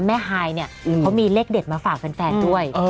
ฮายเนี่ยเขามีเลขเด็ดมาฝากแฟนด้วย